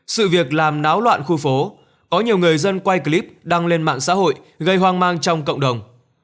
sự việc làm náo loạn khu phố có nhiều người dân quay clip đăng lên mạng xã hội gây hoang mang trong cộng đồng